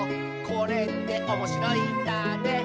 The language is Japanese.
「これっておもしろいんだね」